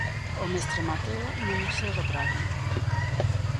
O Mestre Mateo no Museo do Prado.